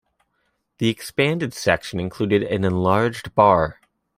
The expanded section included an enlarged bar.